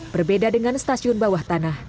berbeda dengan stasiun bawah tanah